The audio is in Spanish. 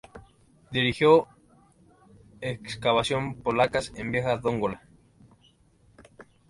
Dirigió excavaciones polacas en Vieja Dongola.